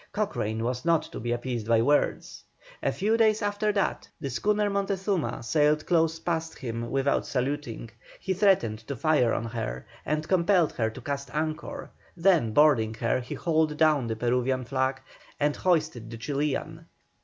Cochrane was not to be appeased by words. A few days after that, the schooner Montezuma sailed close past him without saluting. He threatened to fire on her and compelled her to cast anchor, then boarding her he hauled down the Peruvian flag and hoisted the Chilian.